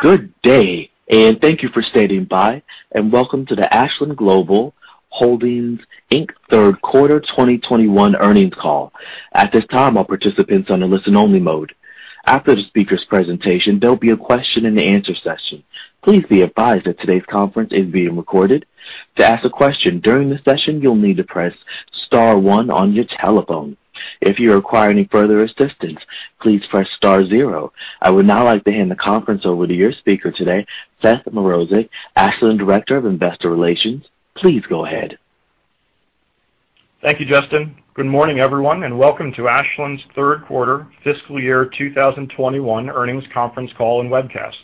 Good day, and thank you for standing by, and welcome to the Ashland Global Holdings, Inc third quarter 2021 earnings call. At this time, all participants on a listen only mode. After the speaker's presentation, there'll be a question and answer session. Please be advised that today's conference is being recorded. To ask a question during the session, you'll need to press star one on your telephone. If you require any further assistance, please press star zero. I would now like to hand the conference over to your speaker today, Seth Mrozek, Ashland Director of Investor Relations. Please go ahead. Thank you, Justin. Good morning, everyone, and welcome to Ashland's third quarter fiscal year 2021 earnings conference call and webcast.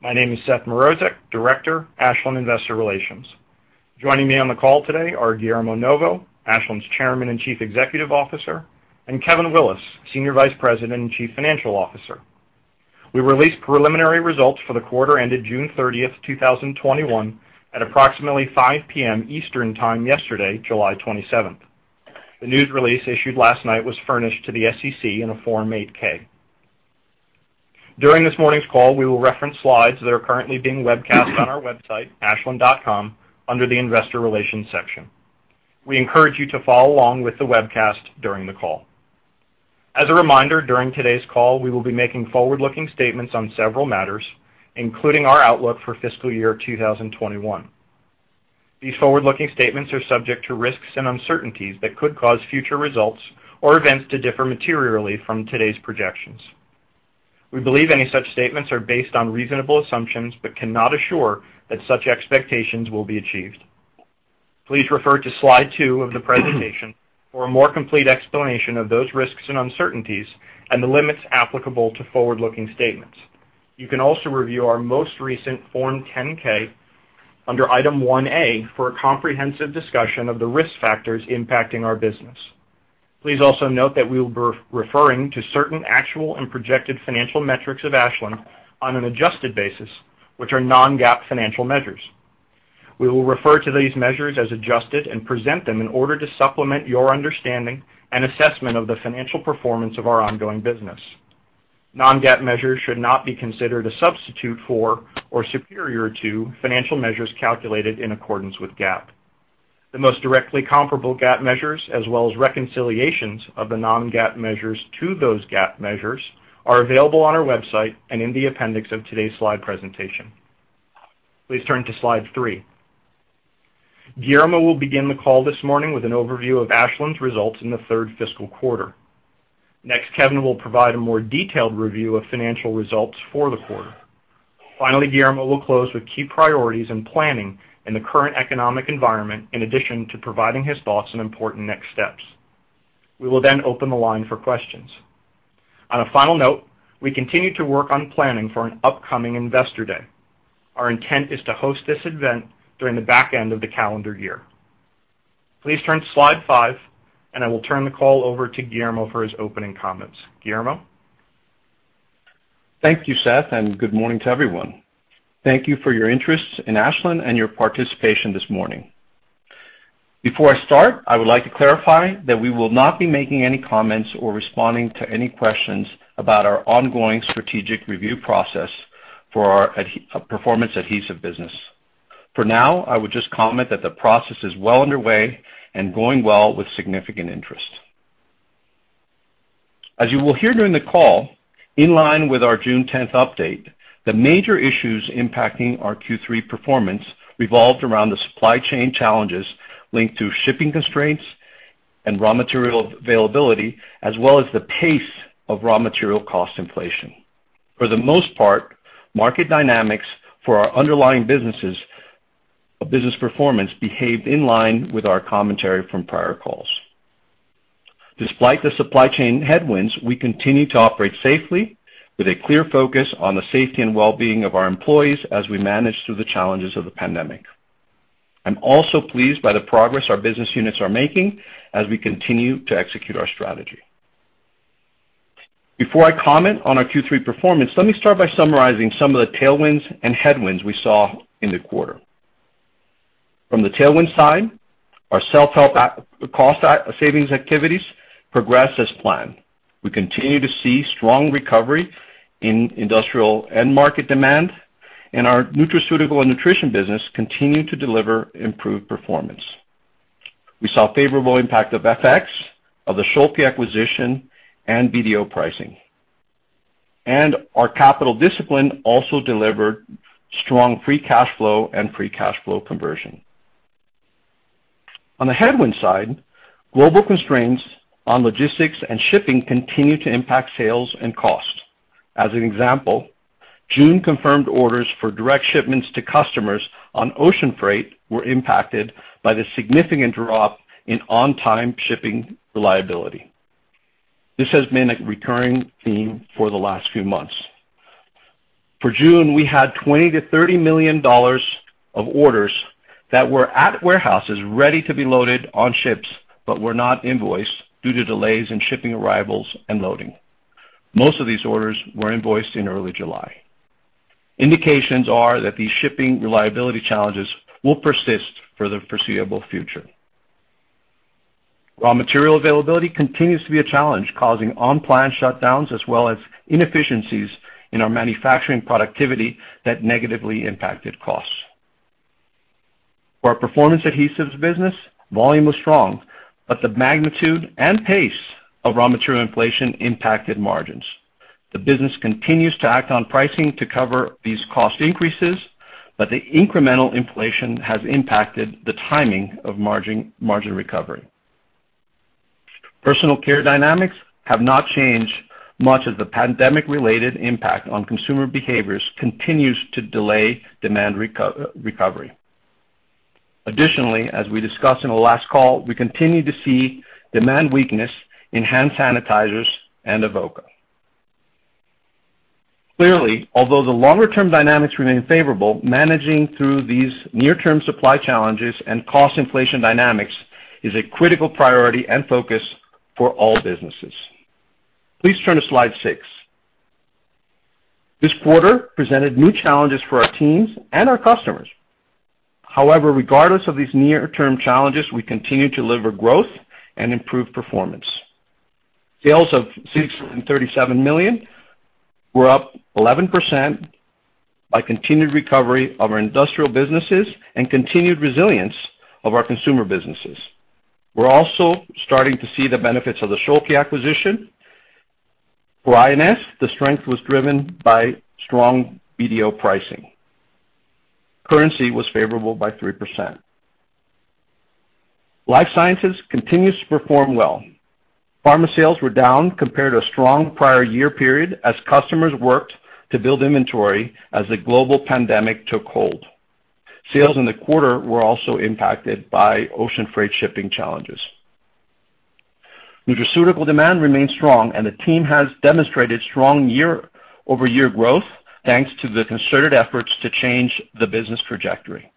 My name is Seth Mrozek, Director, Ashland Investor Relations. Joining me on the call today are Guillermo Novo, Ashland's Chairman and Chief Executive Officer, and Kevin Willis, Senior Vice President and Chief Financial Officer. We released preliminary results for the quarter ended June 30, 2021 at approximately 5:00 P.M. Eastern Time yesterday, July 27. The news release issued last night was furnished to the SEC in a Form 8-K. During this morning's call, we will reference slides that are currently being webcast on our website, ashland.com, under the investor relations section. We encourage you to follow along with the webcast during the call. As a reminder, during today's call, we will be making forward-looking statements on several matters, including our outlook for fiscal year 2021. These forward-looking statements are subject to risks and uncertainties that could cause future results or events to differ materially from today's projections. We believe any such statements are based on reasonable assumptions but cannot assure that such expectations will be achieved. Please refer to slide two of the presentation for a more complete explanation of those risks and uncertainties and the limits applicable to forward-looking statements. You can also review our most recent Form 10-K under Item 1A for a comprehensive discussion of the risk factors impacting our business. Please also note that we will be referring to certain actual and projected financial metrics of Ashland on an adjusted basis, which are non-GAAP financial measures. We will refer to these measures as adjusted and present them in order to supplement your understanding and assessment of the financial performance of our ongoing business. Non-GAAP measures should not be considered a substitute for or superior to financial measures calculated in accordance with GAAP. The most directly comparable GAAP measures, as well as reconciliations of the non-GAAP measures to those GAAP measures, are available on our website and in the appendix of today's slide presentation. Please turn to slide three. Guillermo will begin the call this morning with an overview of Ashland's results in the third fiscal quarter. Next, Kevin will provide a more detailed review of financial results for the quarter. Finally, Guillermo will close with key priorities and planning in the current economic environment, in addition to providing his thoughts on important next steps. We will then open the line for questions. On a final note, we continue to work on planning for an upcoming Investor Day. Our intent is to host this event during the back end of the calendar year. Please turn to slide five. I will turn the call over to Guillermo for his opening comments. Guillermo? Thank you, Seth, and good morning to everyone. Thank you for your interest in Ashland and your participation this morning. Before I start, I would like to clarify that we will not be making any comments or responding to any questions about our ongoing strategic review process for our Performance Adhesives business. For now, I would just comment that the process is well underway and going well with significant interest. As you will hear during the call, in line with our June 10th update, the major issues impacting our Q3 performance revolved around the supply chain challenges linked to shipping constraints and raw material availability, as well as the pace of raw material cost inflation. For the most part, market dynamics for our underlying business performance behaved in line with our commentary from prior calls. Despite the supply chain headwinds, we continue to operate safely with a clear focus on the safety and wellbeing of our employees as we manage through the challenges of the pandemic. I'm also pleased by the progress our business units are making as we continue to execute our strategy. Before I comment on our Q3 performance, let me start by summarizing some of the tailwinds and headwinds we saw in the quarter. From the tailwind side, our self-help cost savings activities progressed as planned. We continue to see strong recovery in industrial end market demand, and our nutraceutical and nutrition business continued to deliver improved performance. We saw favorable impact of FX, of the Schülke acquisition, and BDO pricing. Our capital discipline also delivered strong free cash flow and free cash flow conversion. On the headwind side, global constraints on logistics and shipping continue to impact sales and cost. As an example, June confirmed orders for direct shipments to customers on ocean freight were impacted by the significant drop in one-time shipping reliability. This has been a recurring theme for the last few months. For June, we had $20 million-$30 million of orders that were at warehouses ready to be loaded on ships, but were not invoiced due to delays in shipping arrivals and loading. Most of these orders were invoiced in early July. Indications are that these shipping reliability challenges will persist for the foreseeable future. Raw material availability continues to be a challenge, causing unplanned shutdowns as well as inefficiencies in our manufacturing productivity that negatively impacted costs. For our Performance Adhesives business, volume was strong, but the magnitude and pace of raw material inflation impacted margins. The business continues to act on pricing to cover these cost increases, but the incremental inflation has impacted the timing of margin recovery. Personal Care dynamics have not changed much as the pandemic-related impact on consumer behaviors continues to delay demand recovery. Additionally, as we discussed on the last call, we continue to see demand weakness in hand sanitizers and Avoca. Clearly, although the longer-term dynamics remain favorable, managing through these near-term supply challenges and cost inflation dynamics is a critical priority and focus for all businesses. Please turn to slide six. This quarter presented new challenges for our teams and our customers. However, regardless of these near-term challenges, we continue to deliver growth and improve performance. Sales of $637 million were up 11% by continued recovery of our industrial businesses and continued resilience of our consumer businesses. We're also starting to see the benefits of the Schülke acquisition. For I&S, the strength was driven by strong BDO pricing. Currency was favorable by 3%. Life Sciences continues to perform well. Pharma sales were down compared to a strong prior year period as customers worked to build inventory as the global pandemic took hold. Sales in the quarter were also impacted by ocean freight shipping challenges. Nutraceutical demand remains strong, and the team has demonstrated strong year-over-year growth, thanks to the concerted efforts to change the business trajectory.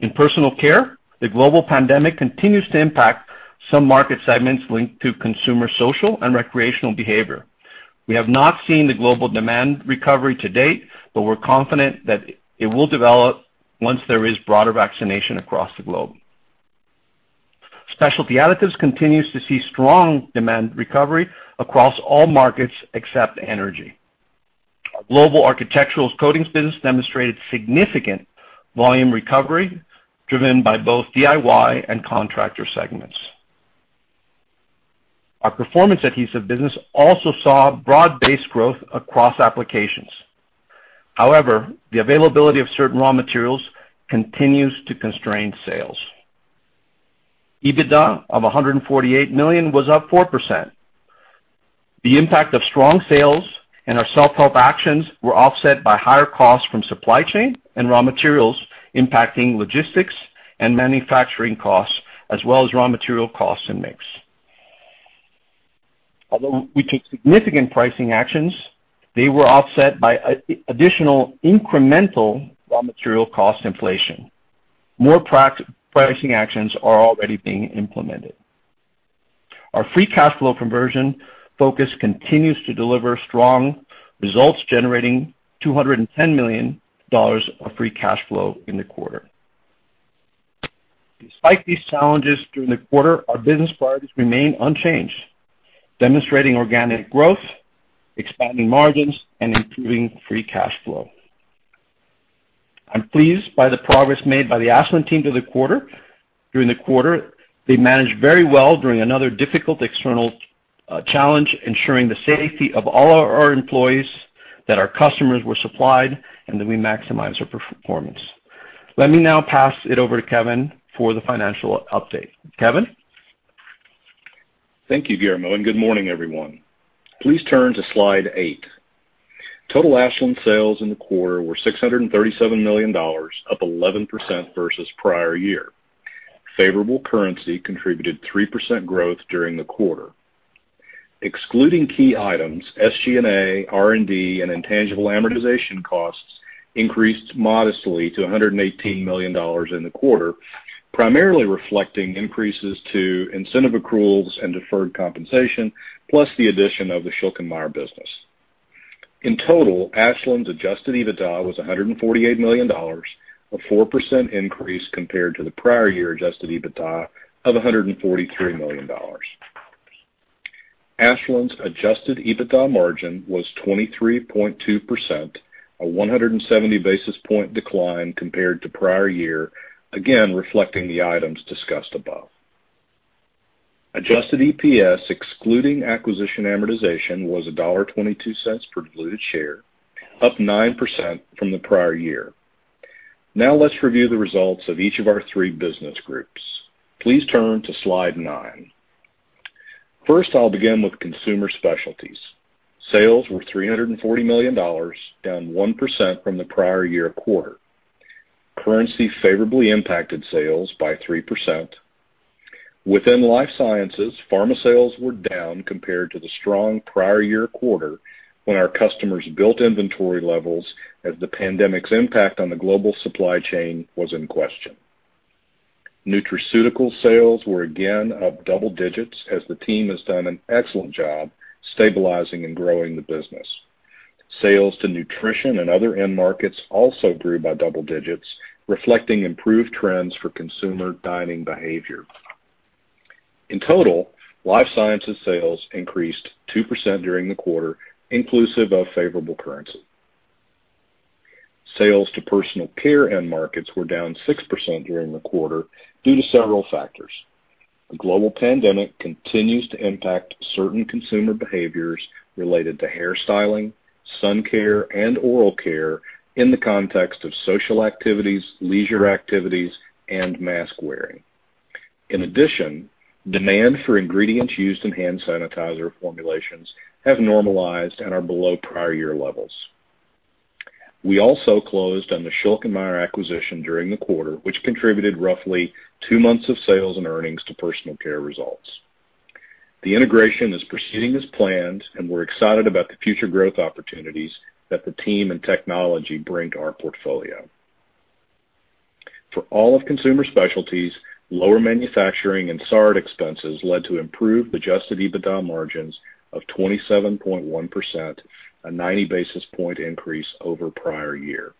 In Personal Care, the global pandemic continues to impact some market segments linked to consumer social and recreational behavior. We have not seen the global demand recovery to date, but we're confident that it will develop once there is broader vaccination across the globe. Specialty Additives continues to see strong demand recovery across all markets except energy. Our global architectural coatings business demonstrated significant volume recovery, driven by both DIY and contractor segments. Our Performance Adhesives business also saw broad-based growth across applications. The availability of certain raw materials continues to constrain sales. EBITDA of $148 million was up 4%. The impact of strong sales and our self-help actions were offset by higher costs from supply chain and raw materials impacting logistics and manufacturing costs, as well as raw material costs and mix. We took significant pricing actions, they were offset by additional incremental raw material cost inflation. More pricing actions are already being implemented. Our free cash flow conversion focus continues to deliver strong results, generating $210 million of free cash flow in the quarter. Despite these challenges during the quarter, our business priorities remain unchanged, demonstrating organic growth, expanding margins, and improving free cash flow. I'm pleased by the progress made by the Ashland team during the quarter. They managed very well during another difficult external challenge, ensuring the safety of all our employees, that our customers were supplied, and that we maximize our performance. Let me now pass it over to Kevin for the financial update. Kevin? Thank you, Guillermo, and good morning, everyone. Please turn to slide eight. Total Ashland sales in the quarter were $637 million, up 11% versus prior year. Favorable currency contributed 3% growth during the quarter. Excluding key items, SG&A, R&D, and intangible amortization costs increased modestly to $118 million in the quarter, primarily reflecting increases to incentive accruals and deferred compensation, plus the addition of the Schülke & Mayr business. In total, Ashland's adjusted EBITDA was $148 million, a 4% increase compared to the prior year adjusted EBITDA of $143 million. Ashland's adjusted EBITDA margin was 23.2%, a 170 basis point decline compared to prior year, again, reflecting the items discussed above. Adjusted EPS, excluding acquisition amortization, was $1.22 per diluted share, up 9% from the prior year. Now let's review the results of each of our three business groups. Please turn to slide nine. First, I'll begin with Consumer Specialties. Sales were $340 million, down 1% from the prior year quarter. Currency favorably impacted sales by 3%. Within Life Sciences, pharma sales were down compared to the strong prior year quarter, when our customers built inventory levels as the pandemic's impact on the global supply chain was in question. Nutraceutical sales were again up double digits, as the team has done an excellent job stabilizing and growing the business. Sales to nutrition and other end markets also grew by double digits, reflecting improved trends for consumer dining behavior. In total, Life Sciences sales increased 2% during the quarter, inclusive of favorable currency. Sales to Personal Care end markets were down 6% during the quarter due to several factors. The global pandemic continues to impact certain consumer behaviors related to hair styling, sun care, and oral care in the context of social activities, leisure activities, and mask-wearing. In addition, demand for ingredients used in hand sanitizer formulations have normalized and are below prior year levels. We also closed on the Schülke & Mayr acquisition during the quarter, which contributed roughly two months of sales and earnings to Personal Care results. The integration is proceeding as planned. We're excited about the future growth opportunities that the team and technology bring to our portfolio. For all of Consumer Specialties, lower manufacturing and SARD expenses led to improved adjusted EBITDA margins of 27.1%, a 90 basis point increase over prior year.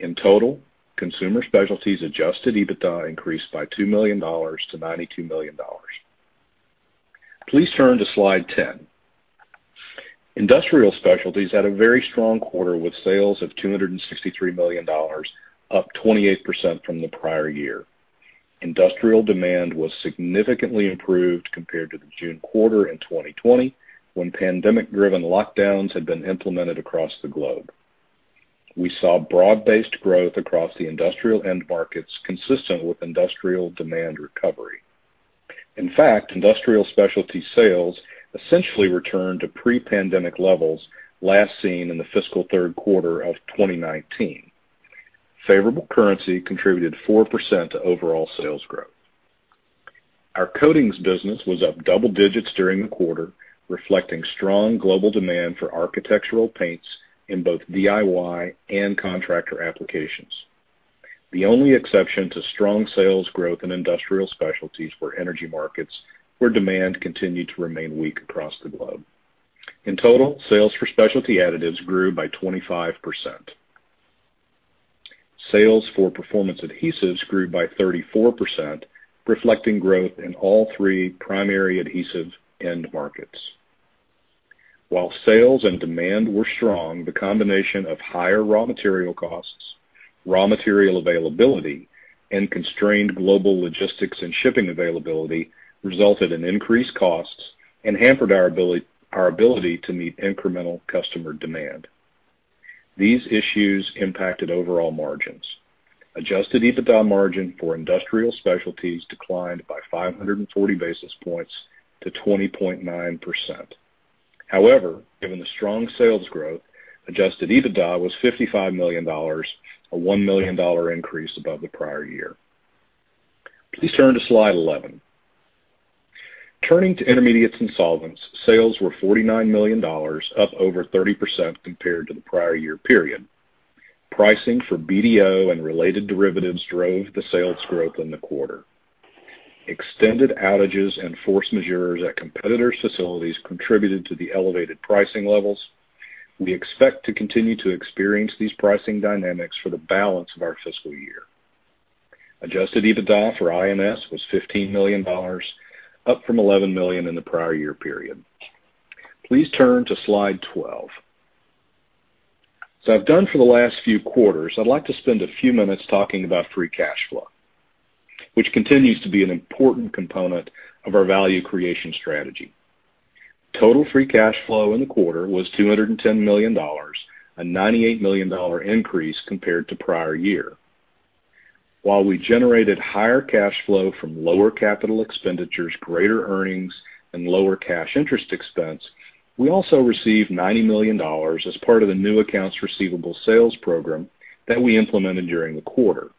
In total, Consumer Specialties adjusted EBITDA increased by $2 million to $92 million. Please turn to slide 10. Industrial Specialties had a very strong quarter with sales of $263 million, up 28% from the prior year. Industrial demand was significantly improved compared to the June quarter in 2020, when pandemic-driven lockdowns had been implemented across the globe. We saw broad-based growth across the industrial end markets consistent with industrial demand recovery. In fact, Industrial Specialties sales essentially returned to pre-pandemic levels last seen in the fiscal third quarter of 2019. Favorable currency contributed 4% to overall sales growth. Our coatings business was up double digits during the quarter, reflecting strong global demand for architectural paints in both DIY and contractor applications. The only exception to strong sales growth in Industrial Specialties were energy markets, where demand continued to remain weak across the globe. In total, sales for Specialty Additives grew by 25%. Sales for Performance Adhesives grew by 34%, reflecting growth in all three primary adhesive end markets. While sales and demand were strong, the combination of higher raw material costs, raw material availability, and constrained global logistics and shipping availability resulted in increased costs and hampered our ability to meet incremental customer demand. These issues impacted overall margins. Adjusted EBITDA margin for Industrial Specialties declined by 540 basis points to 20.9%. However, given the strong sales growth, adjusted EBITDA was $55 million, a $1 million increase above the prior year. Please turn to slide 11. Turning to Intermediates and Solvents, sales were $49 million, up over 30% compared to the prior year period. Pricing for BDO and related derivatives drove the sales growth in the quarter. Extended outages and force majeures at competitors' facilities contributed to the elevated pricing levels. We expect to continue to experience these pricing dynamics for the balance of our fiscal year. Adjusted EBITDA for I&S was $15 million, up from $11 million in the prior year period. Please turn to slide 12. As I've done for the last few quarters, I'd like to spend a few minutes talking about free cash flow, which continues to be an important one component of our value creation strategy. Total free cash flow in the quarter was $210 million, a $98 million increase compared to prior year. While we generated higher cash flow from lower capital expenditures, greater earnings, and lower cash interest expense, we also received $90 million as part of the new accounts receivable sales program that we implemented during the quarter.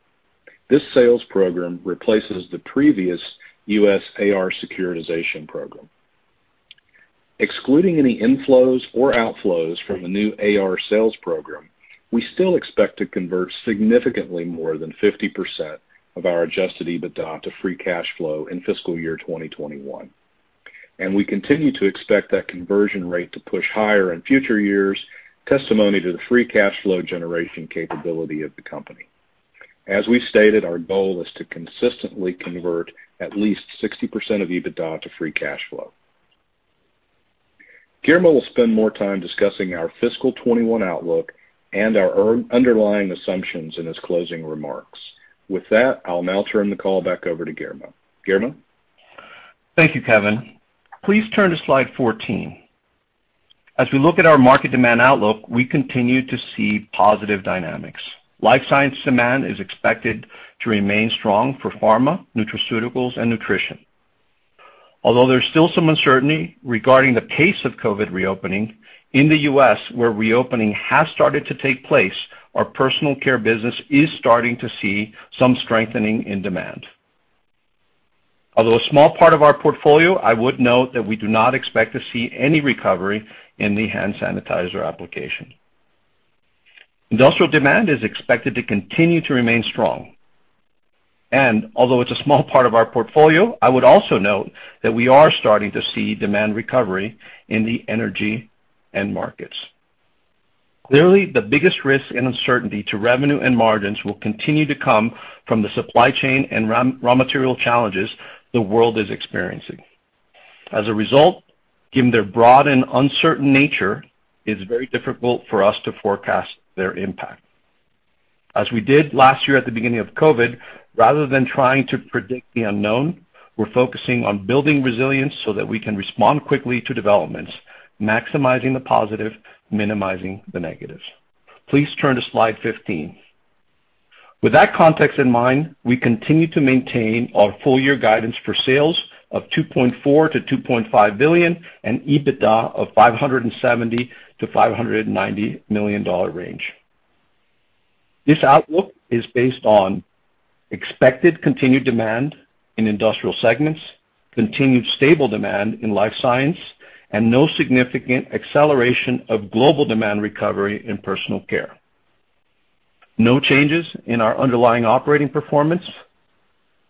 This sales program replaces the previous U.S. AR securitization program. Excluding any inflows or outflows from the new AR sales program, we still expect to convert significantly more than 50% of our adjusted EBITDA to free cash flow in fiscal year 2021. We continue to expect that conversion rate to push higher in future years, testimony to the free cash flow generation capability of the company. As we've stated, our goal is to consistently convert at least 60% of EBITDA to free cash flow. Guillermo will spend more time discussing our fiscal 2021 outlook and our underlying assumptions in his closing remarks. With that, I'll now turn the call back over to Guillermo. Guillermo? Thank you, Kevin. Please turn to slide 14. As we look at our market demand outlook, we continue to see positive dynamics. Life Sciences demand is expected to remain strong for pharma, nutraceuticals, and nutrition. Although there's still some uncertainty regarding the pace of COVID reopening in the U.S., where reopening has started to take place, our Personal Care business is starting to see some strengthening in demand. Although a small part of our portfolio, I would note that we do not expect to see any recovery in the hand sanitizer application. Industrial demand is expected to continue to remain strong. Although it's a small part of our portfolio, I would also note that we are starting to see demand recovery in the energy end markets. Clearly, the biggest risk and uncertainty to revenue and margins will continue to come from the supply chain and raw material challenges the world is experiencing. As a result, given their broad and uncertain nature, it's very difficult for us to forecast their impact. As we did last year at the beginning of COVID, rather than trying to predict the unknown, we're focusing on building resilience so that we can respond quickly to developments, maximizing the positive, minimizing the negatives. Please turn to slide 15. With that context in mind, we continue to maintain our full year guidance for sales of $2.4 billion-$2.5 billion and EBITDA of $570 million-$590 million range. This outlook is based on expected continued demand in industrial segments, continued stable demand in Life Sciences, and no significant acceleration of global demand recovery in Personal Care. No changes in our underlying operating performance.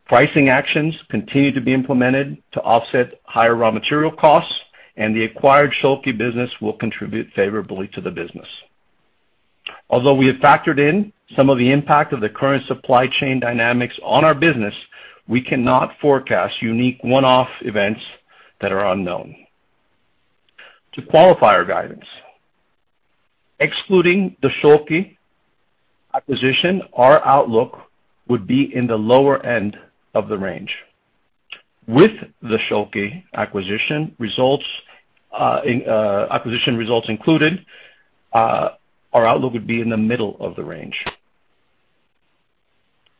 Pricing actions continue to be implemented to offset higher raw material costs, and the acquired Schülke business will contribute favorably to the business. Although we have factored in some of the impact of the current supply chain dynamics on our business, we cannot forecast unique one-off events that are unknown. To qualify our guidance, excluding the Schülke acquisition, our outlook would be in the lower end of the range. With the Schülke acquisition results included, our outlook would be in the middle of the range.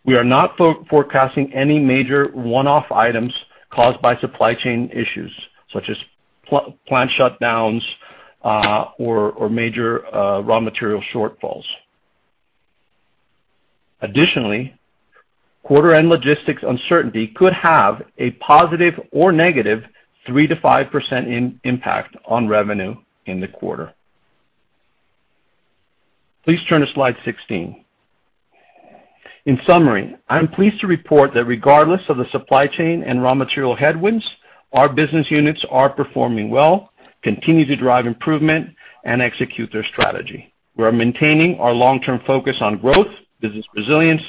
We are not forecasting any major one-off items caused by supply chain issues, such as plant shutdowns or major raw material shortfalls. Additionally, quarter-end logistics uncertainty could have a positive or negative 3%-5% impact on revenue in the quarter. Please turn to slide 16. In summary, I'm pleased to report that regardless of the supply chain and raw material headwinds, our business units are performing well, continue to drive improvement, and execute their strategy. We are maintaining our long-term focus on growth, business resilience,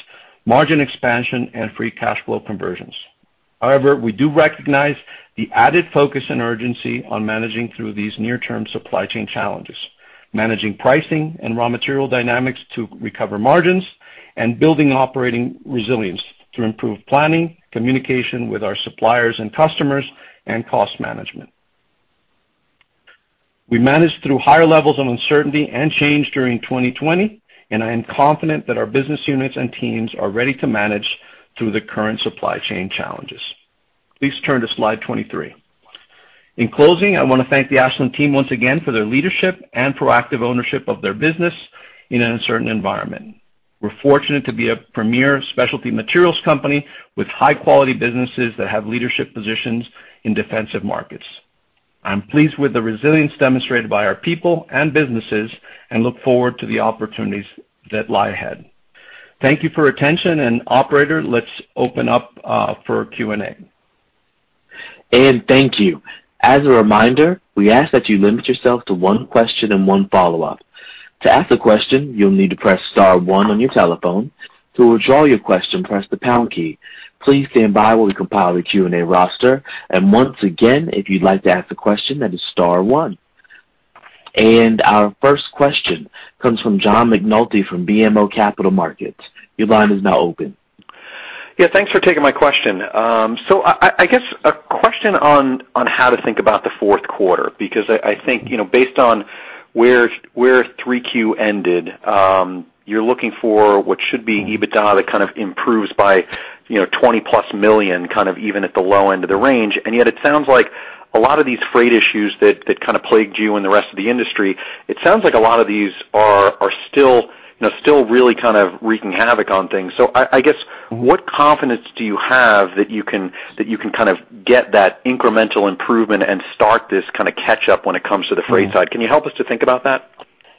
margin expansion, and free cash flow conversions. However, we do recognize the added focus and urgency on managing through these near-term supply chain challenges, managing pricing and raw material dynamics to recover margins, and building operating resilience to improve planning, communication with our suppliers and customers, and cost management. We managed through higher levels of uncertainty and change during 2020, and I am confident that our business units and teams are ready to manage through the current supply chain challenges. Please turn to slide 23. In closing, I want to thank the Ashland team once again for their leadership and proactive ownership of their business in an uncertain environment. We're fortunate to be a premier specialty materials company with high-quality businesses that have leadership positions in defensive markets. I'm pleased with the resilience demonstrated by our people and businesses and look forward to the opportunities that lie ahead. Thank you for your attention, and operator, let's open up for Q&A. Thank you. As a reminder, we ask that you limit yourself to one question and one follow-up. To ask a question, you'll need to press star one on your telephone. To withdraw your question, press the pound key. Please stand by while we compile the Q&A roster. Once again, if you'd like to ask a question, that is star one. Our first question comes from John McNulty from BMO Capital Markets. Your line is now open. Yeah, thanks for taking my question. I guess a question on how to think about the fourth quarter, because I think based on where 3Q ended, you're looking for what should be an EBITDA that kind of improves by $20+ million, kind of even at the low end of the range. Yet it sounds like a lot of these freight issues that kind of plagued you and the rest of the industry, it sounds like a lot of these are still really kind of wreaking havoc on things. I guess, what confidence do you have that you can kind of get that incremental improvement and start this kind of catch up when it comes to the freight side? Can you help us to think about that?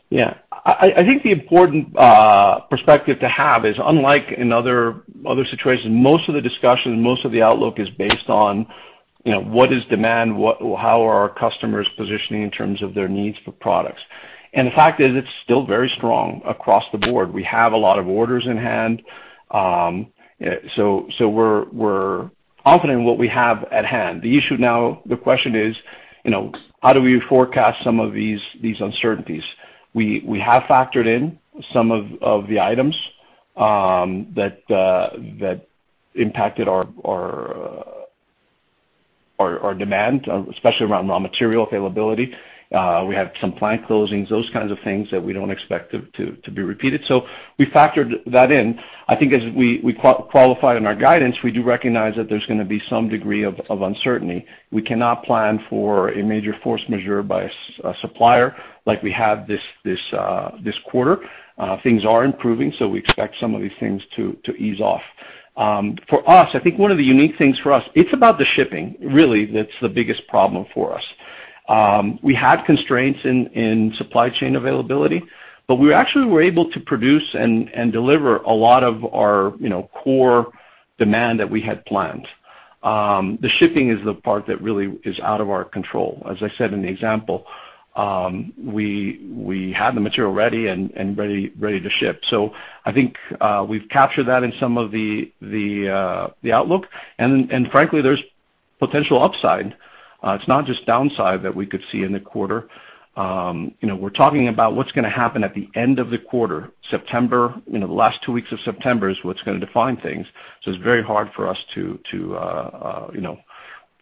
Yeah. I think the important perspective to have is, unlike in other situations, most of the discussion, most of the outlook is based on what is demand? How are our customers positioning in terms of their needs for products? The fact is, it is still very strong across the board. We have a lot of orders in-hand. We are confident in what we have at hand. The issue now, the question is, how do we forecast some of these uncertainties? We have factored in some of the items that impacted our demand, especially around raw material availability. We have some plant closings, those kinds of things that we do not expect to be repeated. We factored that in. I think as we qualified in our guidance, we do recognize that there is going to be some degree of uncertainty. We cannot plan for a major force majeure by a supplier like we have this quarter. Things are improving, so we expect some of these things to ease off. For us, I think one of the unique things for us, it's about the shipping, really, that's the biggest problem for us. We had constraints in supply chain availability, but we actually were able to produce and deliver a lot of our core demand that we had planned. The shipping is the part that really is out of our control. As I said in the example, we had the material ready and ready to ship. I think we've captured that in some of the outlook, and frankly, there's potential upside. It's not just downside that we could see in the quarter. We're talking about what's going to happen at the end of the quarter. September, the last two weeks of September is what's going to define things, so it's very hard for us to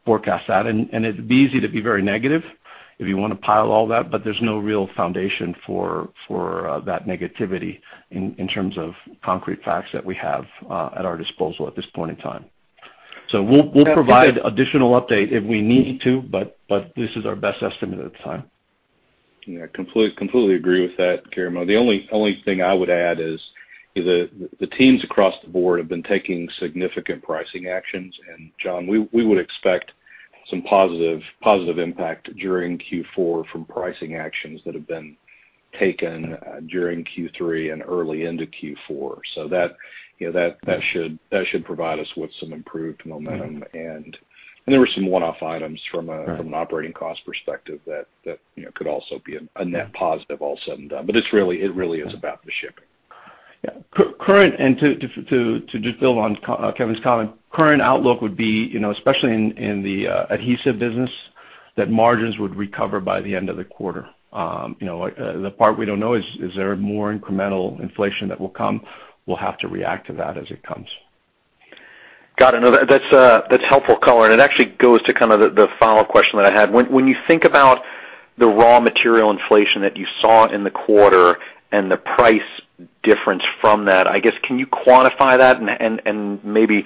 forecast that. It'd be easy to be very negative if you want to pile all that, but there's no real foundation for that negativity in terms of concrete facts that we have at our disposal at this point in time. We'll provide additional update if we need to, but this is our best estimate at the time. Yeah, completely agree with that, Guillermo. The only thing I would add is the teams across the board have been taking significant pricing actions. John, we would expect some positive impact during Q4 from pricing actions that have been taken during Q3 and early into Q4. That should provide us with some improved momentum. There were some one-off items from an operating cost perspective that could also be a net positive all said and done. It really is about the shipping. Yeah. Current, and to just build on Kevin's comment, current outlook would be, especially in the adhesive business, that margins would recover by the end of the quarter. The part we don't know is there more incremental inflation that will come? We'll have to react to that as it comes. Got it. No, that's helpful color. It actually goes to kind of the final question that I had. When you think about the raw material inflation that you saw in the quarter and the price difference from that, I guess, can you quantify that? Maybe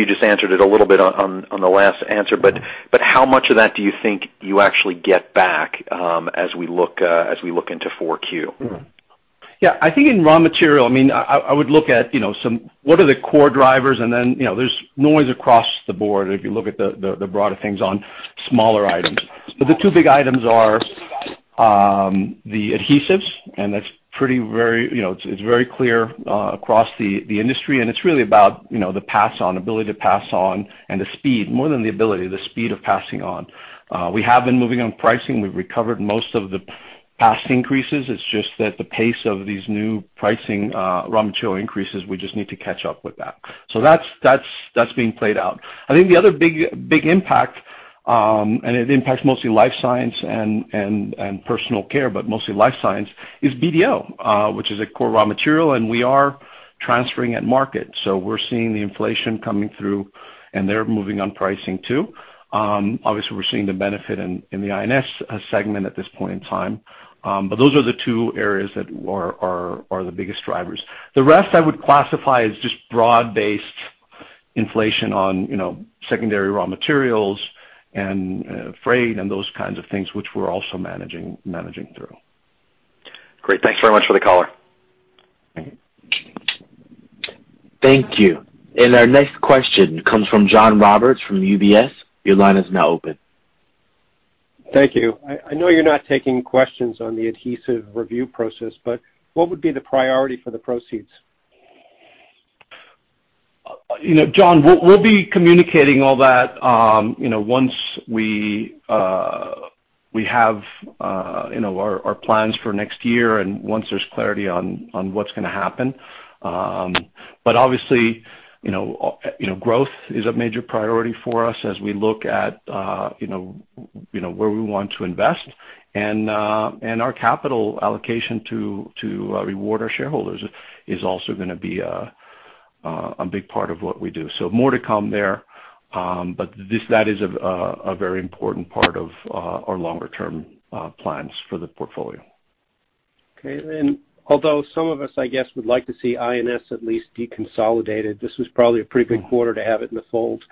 you just answered it a little bit on the last answer, but how much of that do you think you actually get back as we look into 4Q? I think in raw material, I would look at what are the core drivers, and then there's noise across the board if you look at the broader things on smaller items. The two big items are the adhesives, and that's pretty very clear across the industry, and it's really about the pass-on, ability to pass on, and the speed. More than the ability, the speed of passing on. We have been moving on pricing. We've recovered most of the past increases. It's just that the pace of these new pricing raw material increases, we just need to catch up with that. That's being played out. I think the other big impact, and it impacts mostly Life Sciences and Personal Care, but mostly Life Sciences, is BDO, which is a core raw material, and we are transferring at market. We're seeing the inflation coming through, and they're moving on pricing, too. Obviously, we're seeing the benefit in the I&S segment at this point in time. Those are the two areas that are the biggest drivers. The rest I would classify as just broad-based inflation on secondary raw materials and freight and those kinds of things, which we're also managing through. Great. Thanks very much for the color. Thank you. Thank you. Our next question comes from John Roberts from UBS. Your line is now open. Thank you. I know you're not taking questions on the adhesive review process. What would be the priority for the proceeds? John, we'll be communicating all that once we have our plans for next year and once there's clarity on what's going to happen. Obviously, growth is a major priority for us as we look at where we want to invest, and our capital allocation to reward our shareholders is also going to be a big part of what we do. More to come there, but that is a very important part of our longer term plans for the portfolio. Okay. Although some of us, I guess, would like to see I&S at least deconsolidated, this was probably a pretty good quarter to have it in the fold.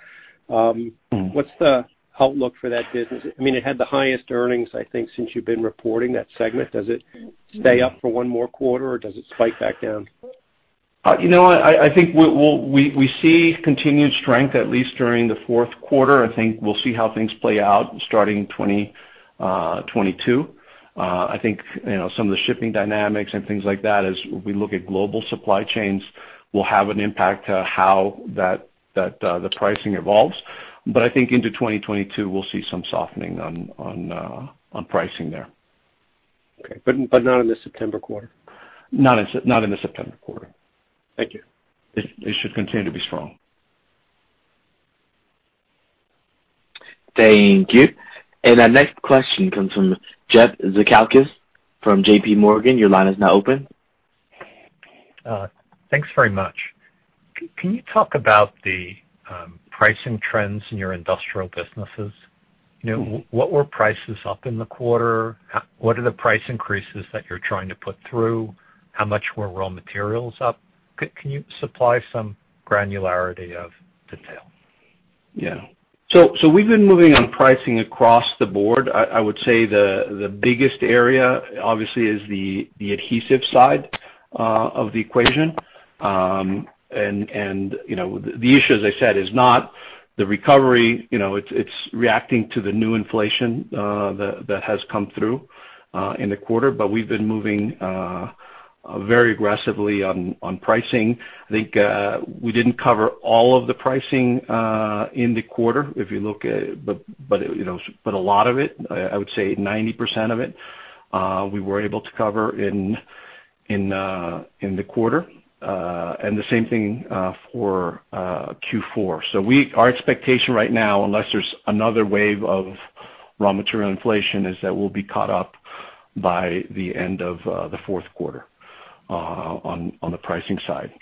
What's the outlook for that business? It had the highest earnings, I think, since you've been reporting that segment. Does it stay up for one more quarter, or does it spike back down? You know what? I think we see continued strength at least during the fourth quarter. I think we'll see how things play out starting 2022. I think some of the shipping dynamics and things like that as we look at global supply chains will have an impact to how the pricing evolves. I think into 2022, we'll see some softening on pricing there. Okay. Not in the September quarter? Not in the September quarter. Thank you. It should continue to be strong. Thank you. Our next question comes from Jeff Zekauskas from JPMorgan. Your line is now open. Thanks very much. Can you talk about the pricing trends in your industrial businesses? What were prices up in the quarter? What are the price increases that you're trying to put through? How much were raw materials up? Can you supply some granularity of detail? Yeah. We've been moving on pricing across the board. The biggest area, obviously, is the adhesive side of the equation. The issue, as I said, is not the recovery, it's reacting to the new inflation that has come through in the quarter, we've been moving very aggressively on pricing. We didn't cover all of the pricing in the quarter, a lot of it, I would say 90% of it, we were able to cover in the quarter. The same thing for Q4. Our expectation right now, unless there's another wave of raw material inflation, is that we'll be caught up by the end of the fourth quarter on the pricing side.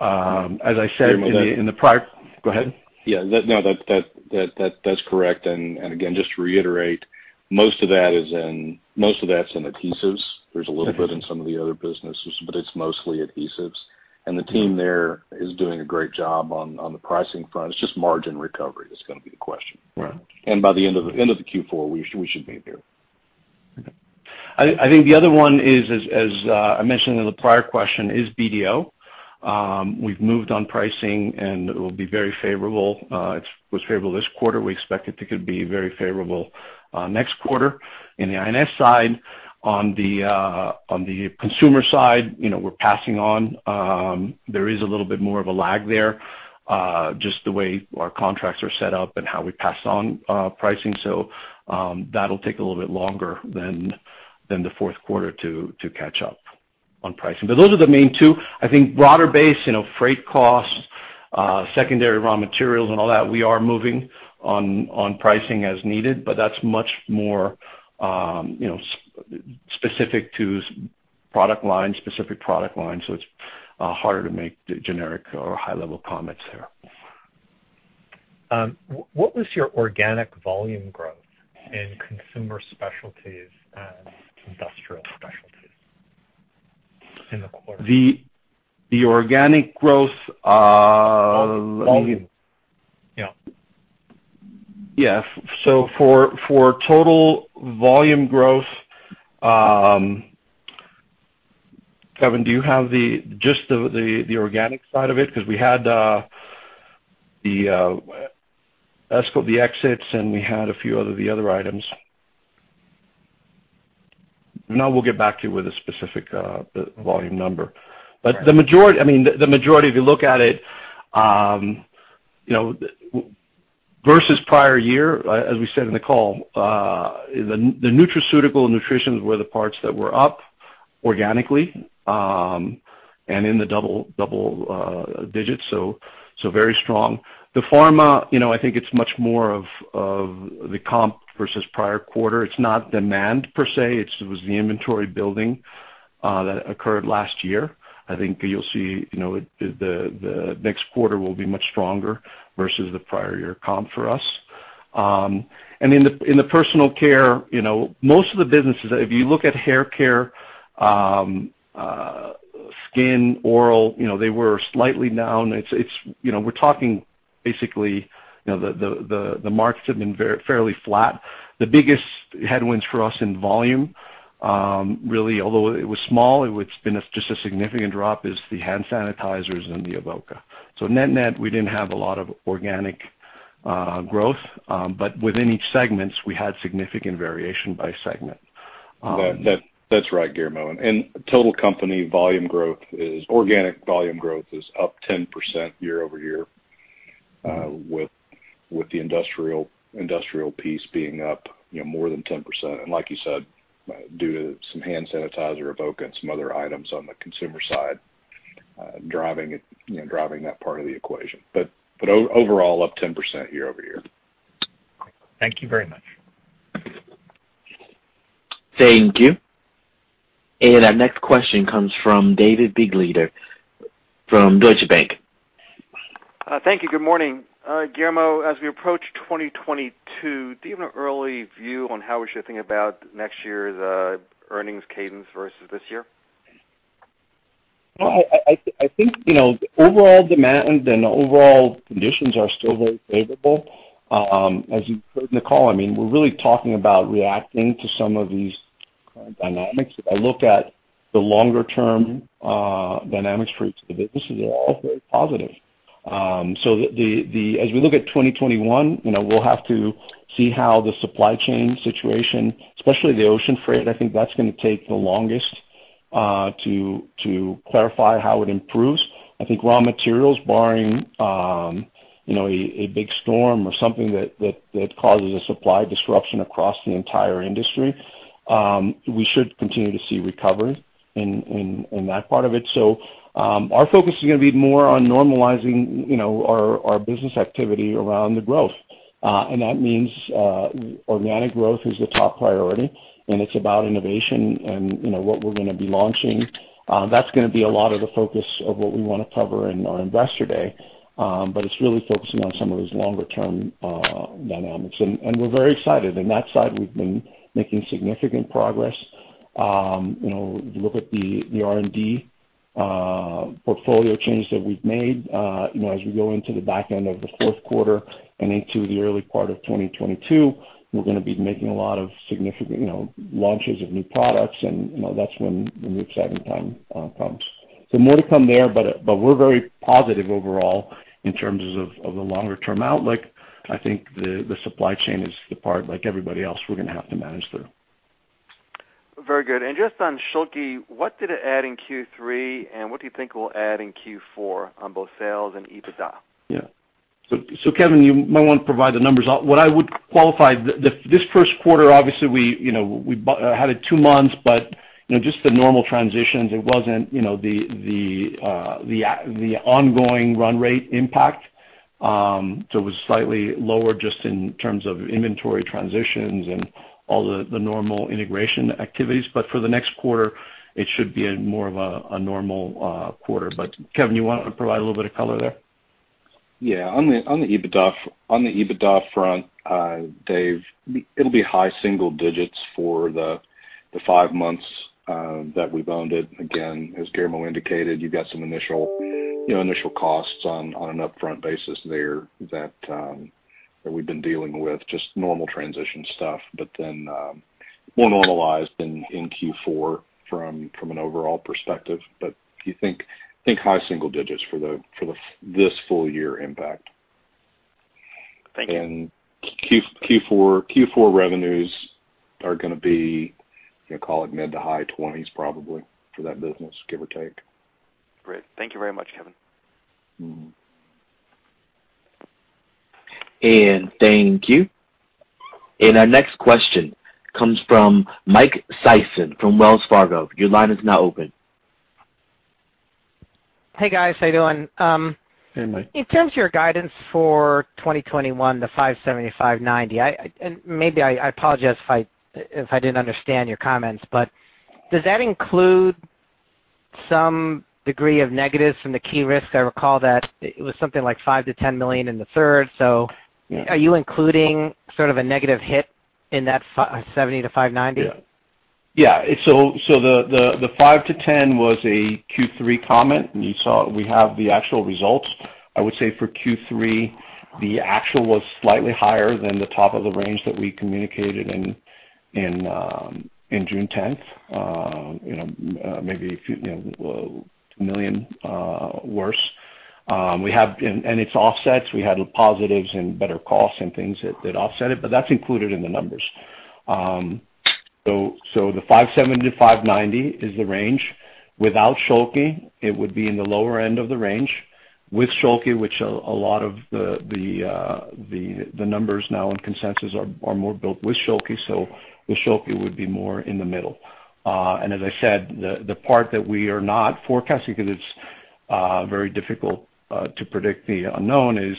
As I said in the prior. Go ahead. Yeah. No, that's correct. Again, just to reiterate, most of that's in adhesives. There's a little bit in some of the other businesses, but it's mostly adhesives. The team there is doing a great job on the pricing front. It's just margin recovery that's going to be the question. Right. By the end of the Q4, we should be there. Okay. I think the other one is, as I mentioned in the prior question, is BDO. We've moved on pricing. It will be very favorable. It was favorable this quarter. We expect it to be very favorable next quarter. In the I&S side, on the consumer side, we're passing on. There is a little bit more of a lag there, just the way our contracts are set up and how we pass on pricing. That'll take a little bit longer than the fourth quarter to catch up on pricing. Those are the main two. I think broader base, freight costs, secondary raw materials, and all that, we are moving on pricing as needed, but that's much more specific to product line, so it's harder to make generic or high-level comments there. What was your organic volume growth in Consumer Specialties and Industrial Specialties in the quarter? The organic growth. Volume. Yeah. For total volume growth, Kevin, do you have just the organic side of it? Because we had the exits, and we had a few of the other items. No, we'll get back to you with a specific volume number. The majority, if you look at it versus prior year, as we said in the call, the nutraceutical and nutrition were the parts that were up organically, and in the double digits, so very strong. The pharma, I think it's much more of the comp versus prior quarter. It's not demand per se, it was the inventory building that occurred last year. I think you'll see the next quarter will be much stronger versus the prior year comp for us. In the Personal Care, most of the businesses, if you look at hair care, skin, oral, they were slightly down. We're talking basically the markets have been fairly flat. The biggest headwinds for us in volume, really, although it was small, it's been just a significant drop, is the hand sanitizers and the Avoca. Net net, we didn't have a lot of organic growth, but within each segments, we had significant variation by segment. That's right, Guillermo. Total company volume growth, organic volume growth is up 10% year-over-year, with the industrial piece being up more than 10%. Like you said, due to some hand sanitizer, Avoca, and some other items on the consumer side driving that part of the equation. Overall, up 10% year-over-year. Thank you very much. Thank you. Our next question comes from David Begleiter from Deutsche Bank. Thank you. Good morning. Guillermo, as we approach 2022, do you have an early view on how we should think about next year's earnings cadence versus this year? I think, overall demand and overall conditions are still very favorable. As you heard in the call, we're really talking about reacting to some of these current dynamics. If I look at the longer-term dynamics for each of the businesses, they're all very positive. As we look at 2021, we'll have to see how the supply chain situation, especially the ocean freight, I think that's going to take the longest to clarify how it improves. I think raw materials, barring a big storm or something that causes a supply disruption across the entire industry, we should continue to see recovery in that part of it. Our focus is going to be more on normalizing our business activity around the growth. That means organic growth is the top priority, and it's about innovation and what we're going to be launching. That's going to be a lot of the focus of what we want to cover in our Investor Day, but it's really focusing on some of those longer-term dynamics. And we're very excited. In that side, we've been making significant progress. If you look at the R&D portfolio changes that we've made as we go into the back end of the fourth quarter and into the early part of 2022, we're going to be making a lot of significant launches of new products, and that's when the exciting time comes. More to come there, but we're very positive overall in terms of the longer-term outlook. I think the supply chain is the part, like everybody else, we're going to have to manage through. Very good. Just on Schülke, what did it add in Q3, and what do you think will add in Q4 on both sales and EBITDA? Yeah. Kevin, you might want to provide the numbers. What I would qualify, this first quarter, obviously we had it two months, but just the normal transitions, it wasn't the ongoing run rate impact. It was slightly lower just in terms of inventory transitions and all the normal integration activities. For the next quarter, it should be more of a normal quarter. Kevin, you want to provide a little bit of color there? Yeah. On the EBITDA front, Dave, it'll be high single digits for the five months that we've owned it. Again, as Guillermo indicated, you've got some initial costs on an upfront basis there that we've been dealing with, just normal transition stuff. More normalized in Q4 from an overall perspective. If you think high single digits for this full year impact. Thank you. Q4 revenues are going to be, call it mid to high $20 million probably for that business, give or take. Great. Thank you very much, Kevin. Thank you. Our next question comes from Mike Sison from Wells Fargo. Your line is now open. Hey, guys. How you doing? Hey, Mike. In terms of your guidance for 2021 to $570 million-$590 million, and maybe I apologize if I didn't understand your comments, but does that include some degree of negatives from the key risks? I recall that it was something like $5 million-$10 million in the third. Yeah Are you including sort of a negative hit in that $570 million-$590 million? The $5 million-$10 million was a Q3 comment, you saw we have the actual results. I would say for Q3, the actual was slightly higher than the top of the range that we communicated in June 10th. Maybe $1 million worse. Its offsets, we had positives and better costs and things that offset it, but that's included in the numbers. The $570 million-$590 million is the range. Without Schülke, it would be in the lower end of the range. With Schülke, which a lot of the numbers now and consensus are more built with Schülke, with Schülke would be more in the middle. As I said, the part that we are not forecasting, because it's very difficult to predict the unknown, is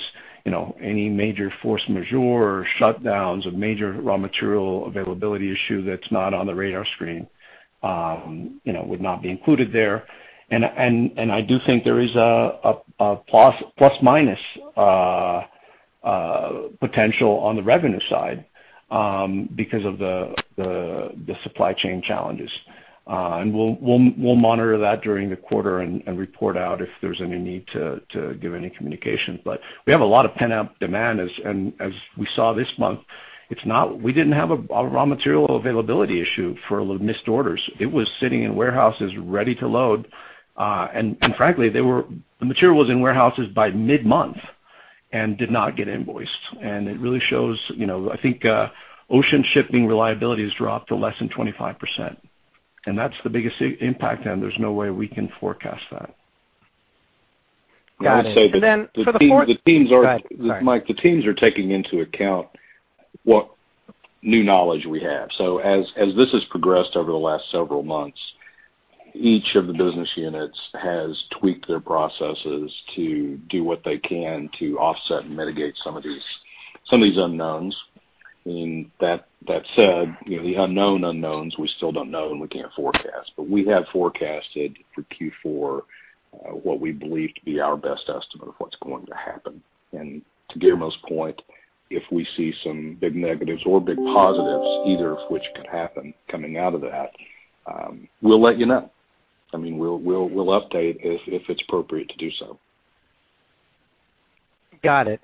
any major force majeure or shutdowns, a major raw material availability issue that's not on the radar screen would not be included there. I do think there is a plus/minus potential on the revenue side because of the supply chain challenges. We'll monitor that during the quarter and report out if there's any need to give any communication. We have a lot of pent-up demand, and as we saw this month, we didn't have a raw material availability issue for missed orders. It was sitting in warehouses ready to load. Frankly, the material was in warehouses by mid-month and did not get invoiced. It really shows, I think ocean shipping reliability has dropped to less than 25%. That's the biggest impact. There's no way we can forecast that. Got it. For the fourth- I would say the teams are- Go ahead. Sorry. Mike, the teams are taking into account what new knowledge we have. As this has progressed over the last several months, each of the business units has tweaked their processes to do what they can to offset and mitigate some of these unknowns. That said, the unknown unknowns we still don't know, and we can't forecast. We have forecasted for Q4 what we believe to be our best estimate of what's going to happen. To Guillermo's point, if we see some big negatives or big positives, either of which could happen coming out of that, we'll let you know. We'll update if it's appropriate to do so. Got it.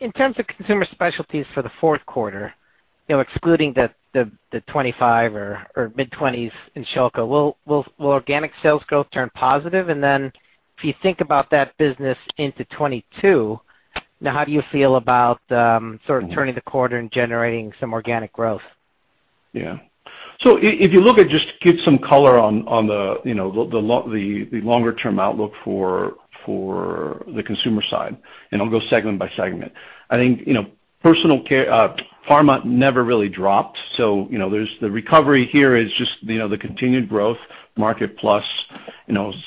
In terms of Consumer Specialties for the fourth quarter, excluding the 25% or mid-20%s in Schülke, will organic sales growth turn positive? If you think about that business into 2022, now how do you feel about sort of turning the corner and generating some organic growth? Yeah. If you look at just give some color on the longer-term outlook for the consumer side, and I'll go segment by segment. I think pharma never really dropped. The recovery here is just the continued growth market plus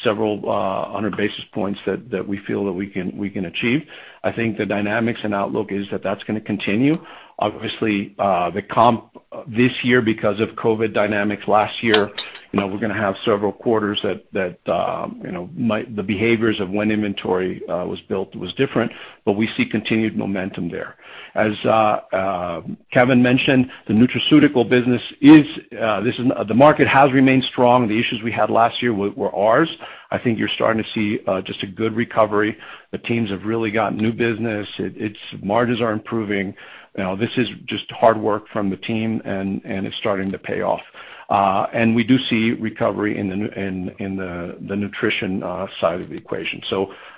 several hundred basis points that we feel that we can achieve. I think the dynamics and outlook is that that's going to continue. Obviously, the comp this year because of COVID dynamics last year, we're going to have several quarters that the behaviors of when inventory was built was different, we see continued momentum there. As Kevin mentioned, the nutraceutical business, the market has remained strong. The issues we had last year were ours. I think you're starting to see just a good recovery. The teams have really gotten new business. Margins are improving. This is just hard work from the team, and it's starting to pay off. And we do see recovery in the nutrition side of the equation.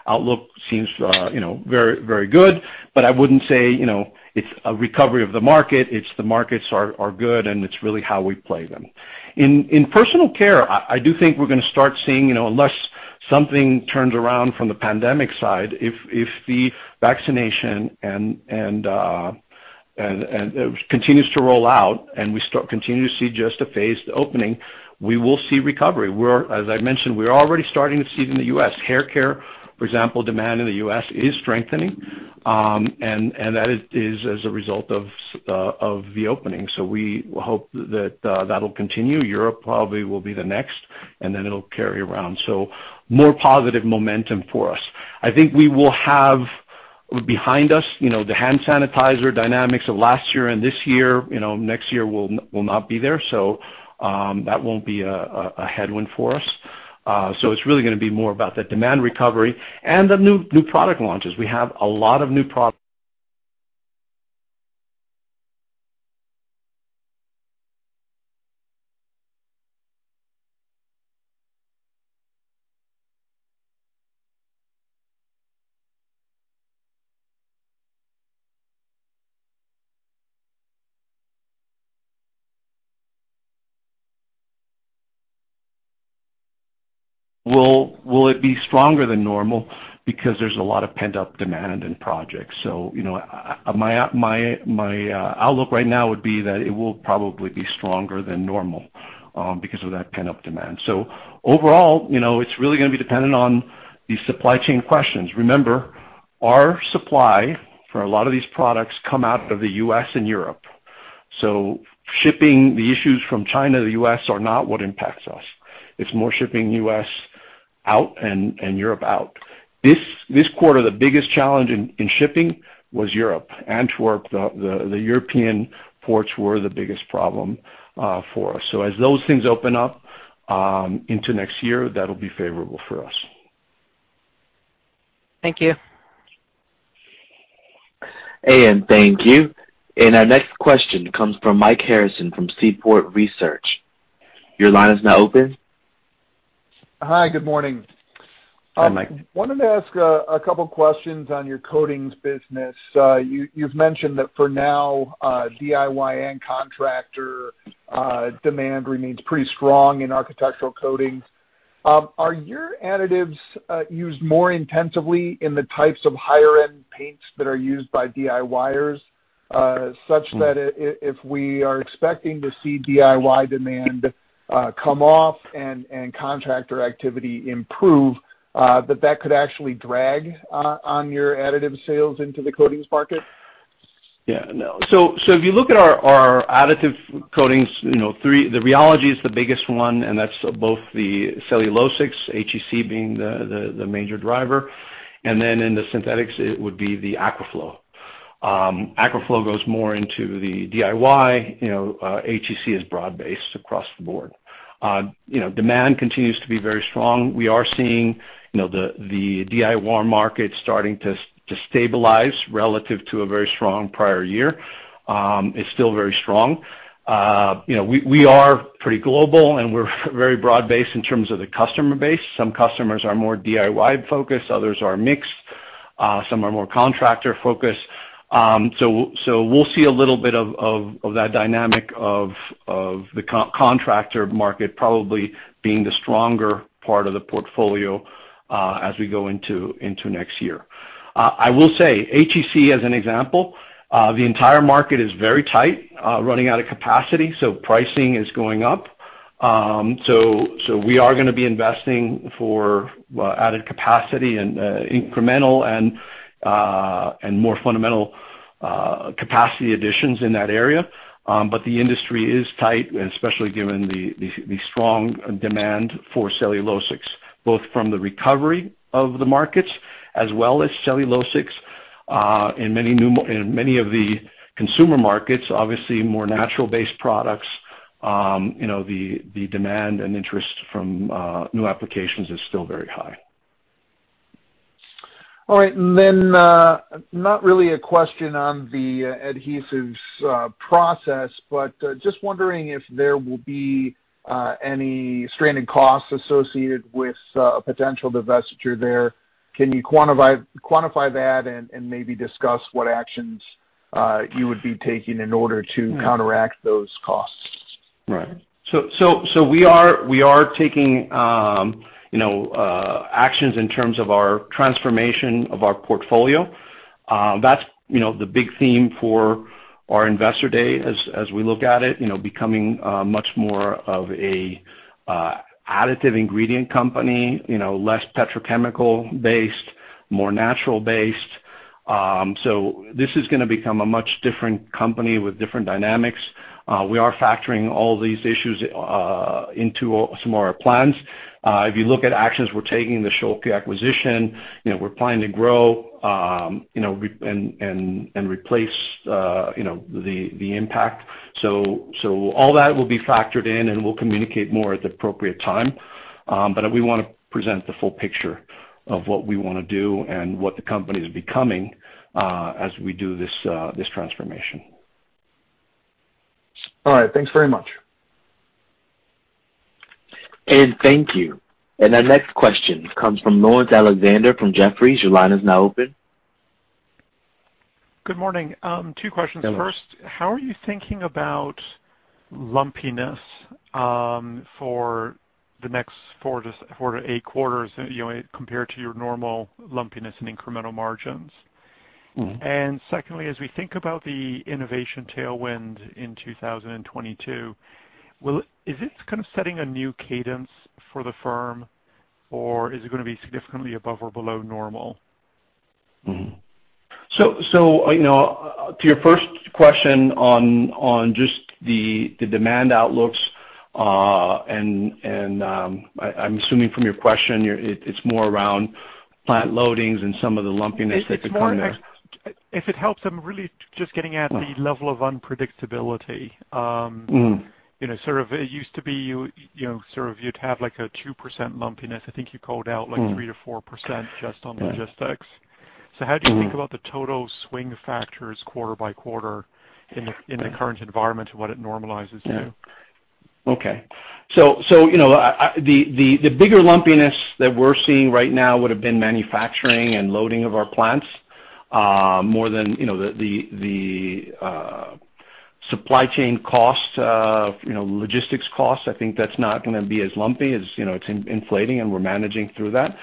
Outlook seems very good, but I wouldn't say it's a recovery of the market. It's the markets are good, and it's really how we play them. In Personal Care, I do think we're going to start seeing, unless something turns around from the pandemic side, if the vaccination continues to roll out and we continue to see just a phased opening, we will see recovery. As I mentioned, we're already starting to see it in the U.S. Hair care, for example, demand in the U.S. is strengthening, and that is as a result of the opening. We hope that that'll continue. Europe probably will be the next, and then it'll carry around. More positive momentum for us. I think we will have behind us the hand sanitizer dynamics of last year and this year. Next year will not be there, that won't be a headwind for us. It's really going to be more about the demand recovery and the new product launches. We have a lot of new. Will it be stronger than normal? There's a lot of pent-up demand in projects. My outlook right now would be that it will probably be stronger than normal because of that pent-up demand. Overall, it's really going to be dependent on the supply chain questions. Remember, our supply for a lot of these products come out of the U.S. and Europe. Shipping the issues from China to the U.S. are not what impacts us. It's more shipping U.S. out and Europe out. This quarter, the biggest challenge in shipping was Europe. Antwerp, the European ports were the biggest problem for us. As those things open up into next year, that'll be favorable for us. Thank you. Thank you. Our next question comes from Mike Harrison from Seaport Research. Your line is now open. Hi, good morning. Hi, Mike. Wanted to ask a couple questions on your coatings business. You've mentioned that for now, DIY and contractor demand remains pretty strong in architectural coatings. Are your additives used more intensively in the types of higher-end paints that are used by DIYers, such that if we are expecting to see DIY demand come off and contractor activity improve, that that could actually drag on your additive sales into the coatings market? If you look at our additive coatings, the rheology is the biggest one, and that's both the cellulosics, HEC being the major driver. In the synthetics, it would be the Aquaflow. Aquaflow goes more into the DIY. HEC is broad-based across the board. Demand continues to be very strong. We are seeing the DIY market starting to stabilize relative to a very strong prior year. It's still very strong. We are pretty global, and we're very broad-based in terms of the customer base. Some customers are more DIY-focused, others are mixed. Some are more contractor-focused. We'll see a little bit of that dynamic of the contractor market probably being the stronger part of the portfolio as we go into next year. I will say, HEC, as an example, the entire market is very tight, running out of capacity, pricing is going up. We are gonna be investing for added capacity and incremental and more fundamental capacity additions in that area. The industry is tight, especially given the strong demand for cellulosics, both from the recovery of the markets as well as cellulosics in many of the consumer markets. Obviously, more natural-based products. The demand and interest from new applications is still very high. All right. Not really a question on the adhesives process, but just wondering if there will be any stranded costs associated with a potential divestiture there. Can you quantify that and maybe discuss what actions you would be taking in order to counteract those costs? Right. We are taking actions in terms of our transformation of our portfolio. That's the big theme for our investor day as we look at it, becoming much more of an additive ingredient company, less petrochemical-based, more natural-based. This is gonna become a much different company with different dynamics. We are factoring all these issues into some of our plans. If you look at actions we're taking, the Schülke acquisition, we're planning to grow and replace the impact. All that will be factored in, and we'll communicate more at the appropriate time. We want to present the full picture of what we want to do and what the company's becoming as we do this transformation. All right, thanks very much. Thank you. Our next question comes from Laurence Alexander from Jefferies. Your line is now open. Good morning. Two questions. Hello. How are you thinking about lumpiness for the next four to eight quarters compared to your normal lumpiness and incremental margins? Secondly, as we think about the innovation tailwind in 2022, is this kind of setting a new cadence for the firm, or is it going to be significantly above or below normal? To your first question on just the demand outlooks, and I'm assuming from your question, it's more around plant loadings and some of the lumpiness that could come there. If it helps, I'm really just getting at the level of unpredictability. It used to be you'd have a 2% lumpiness. I think you called out like 3%-4% just on logistics. How do you think about the total swing factors quarter by quarter in the current environment to what it normalizes to? Okay. The bigger lumpiness that we're seeing right now would've been manufacturing and loading of our plants, more than the supply chain costs, logistics costs. I think that's not going to be as lumpy. It's inflating, and we're managing through that.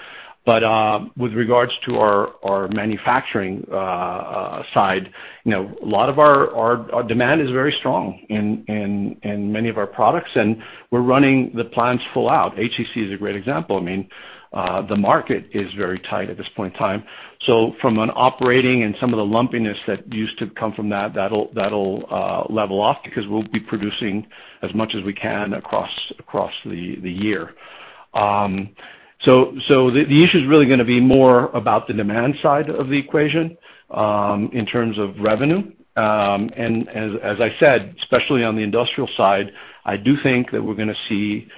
With regards to our manufacturing side, a lot of our demand is very strong in many of our products, and we're running the plants full out. HEC is a great example. The market is very tight at this point in time. From an operating and some of the lumpiness that used to come from that'll level off because we'll be producing as much as we can across the year. The issue's really going to be more about the demand side of the equation in terms of revenue. As I said, especially on the industrial side, I do think that we're going to see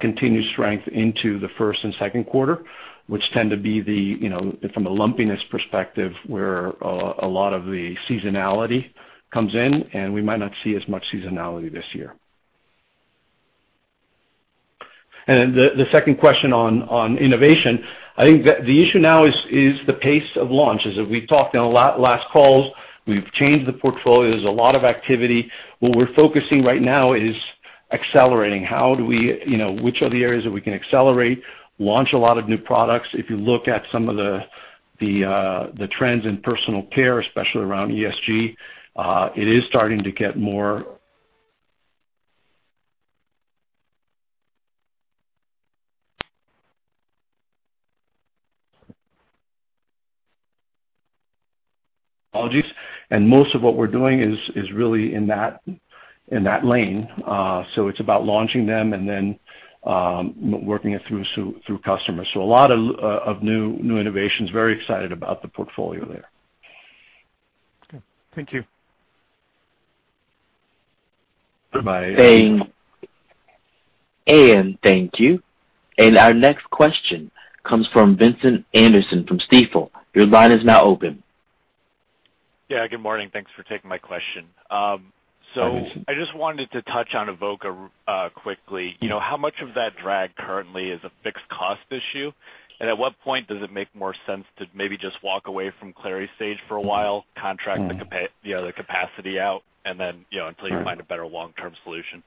continued strength into the first and second quarter, which tend to be the, from a lumpiness perspective, where a lot of the seasonality comes in, and we might not see as much seasonality this year. The second question on innovation, I think the issue now is the pace of launches. As we've talked in last calls, we've changed the portfolio. There's a lot of activity. What we're focusing right now is accelerating. Which are the areas that we can accelerate, launch a lot of new products? If you look at some of the trends in Personal Care, especially around ESG, it is starting to get more. Apologies. Most of what we're doing is really in that lane. It's about launching them and then working it through customers. A lot of new innovations. Very excited about the portfolio there. Okay. Thank you. Goodbye. Thank you. Our next question comes from Vincent Anderson from Stifel. Your line is now open. Good morning. Thanks for taking my question. Hi, Vincent. I just wanted to touch on Avoca quickly. How much of that drag currently is a fixed cost issue, and at what point does it make more sense to maybe just walk away from clary sage for a while, contract the capacity out, and then until you find a better long-term solution?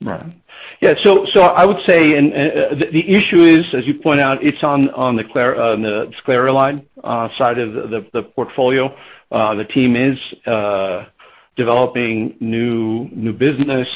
Right. Yeah. I would say, the issue is, as you point out, it's on the clary line side of the portfolio. The team is developing new business,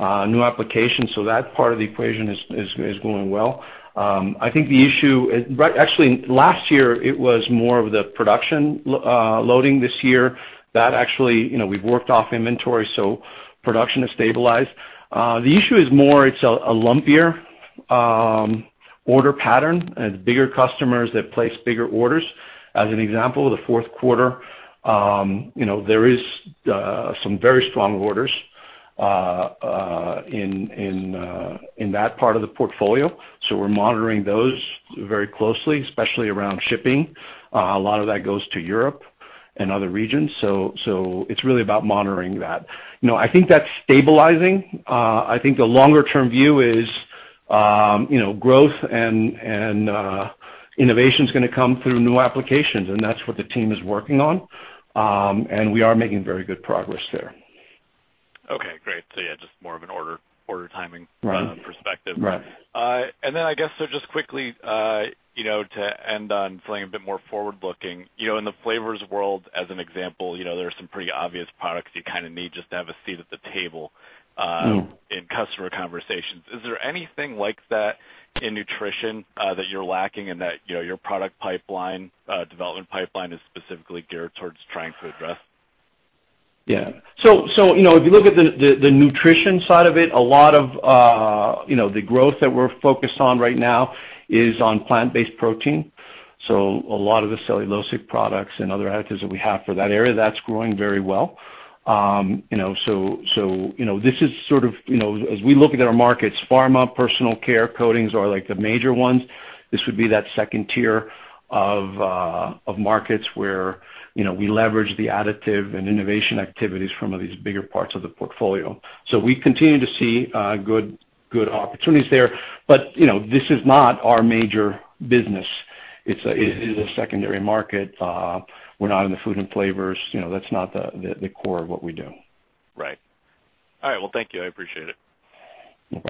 new applications. That part of the equation is going well. I think the issue, actually, last year, it was more of the production loading this year that actually, we've worked off inventory, so production has stabilized. The issue is more, it's a lumpier order pattern and bigger customers that place bigger orders. As an example, the fourth quarter, there is some very strong orders in that part of the portfolio. We're monitoring those very closely, especially around shipping. A lot of that goes to Europe and other regions, so it's really about monitoring that. I think that's stabilizing. I think the longer-term view is growth and innovation's going to come through new applications, and that's what the team is working on. We are making very good progress there. Okay, great. Yeah, just more of an order timing perspective. Right. I guess so just quickly, to end on something a bit more forward-looking. In the flavors world, as an example, there are some pretty obvious products you kind of need just to have a seat at the table in customer conversations. Is there anything like that in nutrition that you're lacking in that your product development pipeline is specifically geared towards trying to address? Yeah. If you look at the nutrition side of it, a lot of the growth that we're focused on right now is on plant-based protein. A lot of the cellulosic products and other additives that we have for that area, that's growing very well. As we look at our markets, Pharma, Personal Care, Coatings are the major ones. This would be that second tier of markets where we leverage the additive and innovation activities from these bigger parts of the portfolio. We continue to see good opportunities there. This is not our major business. It is a secondary market. We're not in the food and flavors. That's not the core of what we do. Right. All right. Well, thank you. I appreciate it. No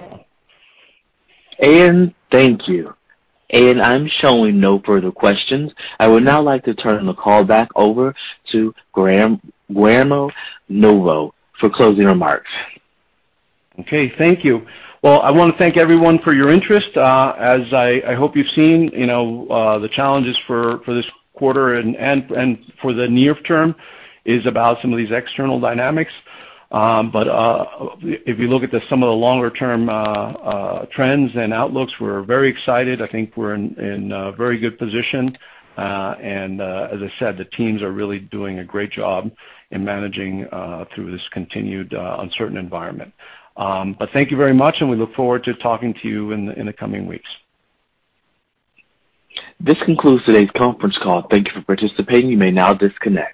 problem. Thank you. I'm showing no further questions. I would now like to turn the call back over to Guillermo Novo for closing remarks. Okay. Thank you. Well, I want to thank everyone for your interest. As I hope you've seen, the challenges for this quarter and for the near term is about some of these external dynamics. If you look at some of the longer-term trends and outlooks, we're very excited. I think we're in a very good position. As I said, the teams are really doing a great job in managing through this continued uncertain environment. Thank you very much, and we look forward to talking to you in the coming weeks. This concludes today's conference call. Thank you for participating. You may now disconnect.